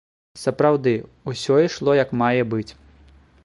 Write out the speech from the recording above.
Сапраўды, усё ішло як мае быць.